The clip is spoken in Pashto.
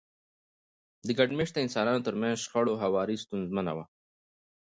د ګډ مېشته انسانانو ترمنځ شخړو هواری ستونزمنه وه.